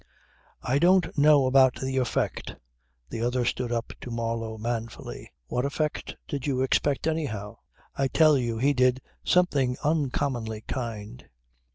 "I don't know about the effect," the other stood up to Marlow manfully. "What effect did you expect anyhow? I tell you he did something uncommonly kind."